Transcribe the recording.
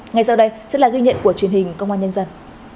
ngay sau đây sẽ là ghi nhận của truyền hình công an nhân dân